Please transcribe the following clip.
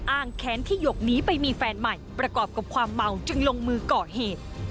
แค้นที่หยกหนีไปมีแฟนใหม่ประกอบกับความเมาจึงลงมือก่อเหตุ